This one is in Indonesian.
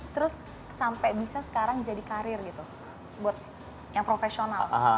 terus sampai bisa sekarang jadi karir gitu buat yang profesional